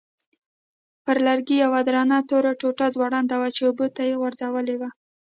پر لرګي یوه درنه توره ټوټه ځوړنده وه چې اوبو ته یې غورځولې وه.